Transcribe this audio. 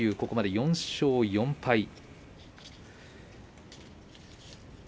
ここまで４勝４敗。